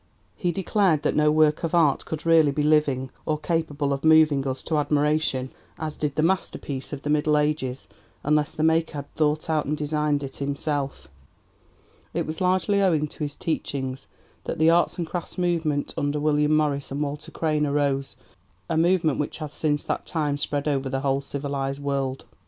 He declared that no work of art could really be 'living' or capable of moving us to admiration as did the masterpieces of the Middle Ages unless the maker had thought out and designed it himself. It was largely owing to his teachings that the 'Arts and Crafts' movement under William Morris and Walter Crane arose a movement which has since that time spread over the whole civilized world.